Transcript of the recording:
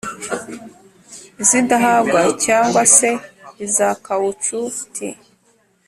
izidahagwa cg se izakawucu T